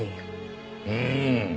うん。